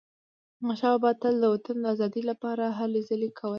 احمدشاه بابا تل د وطن د ازادی لپاره هلې ځلي کولي.